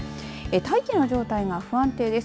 大気の状態が不安定です。